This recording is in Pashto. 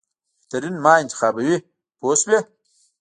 بهترین ما انتخابوي پوه شوې!.